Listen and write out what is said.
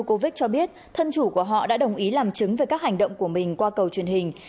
cô vích cho biết thân chủ của họ đã đồng ý làm chứng về các hành động của mình qua cầu truyền hình